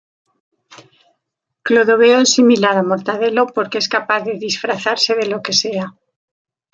Clodoveo es similar a Mortadelo porque es capaz de disfrazarse de lo que sea.